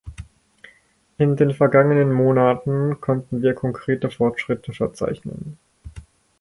In den vergangenen Monaten konnten wir konkrete Fortschritte verzeichnen.